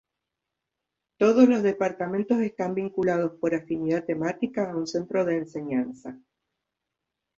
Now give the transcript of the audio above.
Todos los departamentos están vinculados, por afinidad temática, a un Centro de Enseñanza.